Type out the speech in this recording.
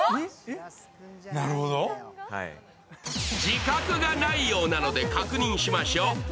自覚がないようなので、確認しましょう。